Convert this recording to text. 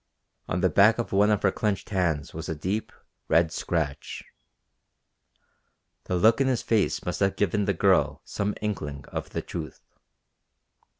On the back of one of her clenched hands was a deep, red scratch. The look in his face must have given the girl some inkling of the truth.